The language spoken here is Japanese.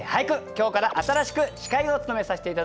今日から新しく司会を務めさせて頂きます。